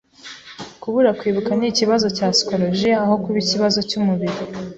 Kubura kwibuka ni ikibazo cya psychologiya aho kuba ikibazo cyumubiri.